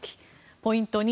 ポイント２。